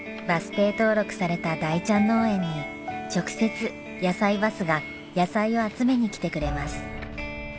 バス停登録された大ちゃん農園に直接やさいバスが野菜を集めに来てくれます。